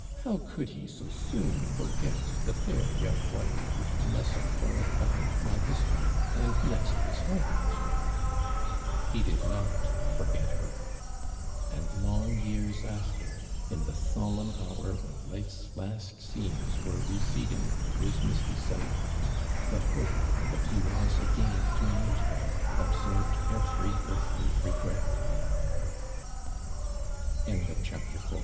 " How could he so soon forget the fair young wife who had nestled for a time on his hearth and next his heart." He did not forget her; and long years after, in the solemn hour when life's last scenes were receding from his misty sight, the hope that he was again to meet